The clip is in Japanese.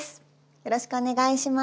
よろしくお願いします。